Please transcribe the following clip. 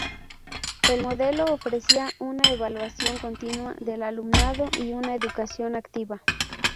El modelo ofrecía una evaluación continua del alumnado y una educación activa.